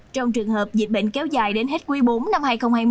trong trường hợp dịch bệnh kéo dài đến hết quý bốn năm hai nghìn hai mươi